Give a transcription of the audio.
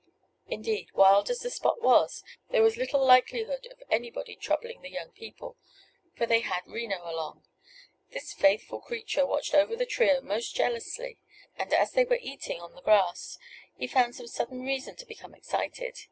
Indeed, wild as the spot was, there was little likelihood of anybody troubling the young people, for they had Reno along. This faithful creature watched over the trio most jealously and, as they were eating on the grass, he found some sudden reason to become excited.